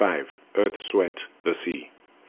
Earth's sweat, the sea. 56.